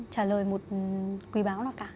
trả lời một quý báo nào cả